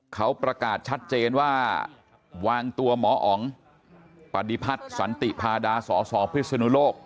เขาประกาศชัดเจนว่าวางตัวหมออ๋องปฏิพัฒน์สันติพาดาสสพิศนุโลก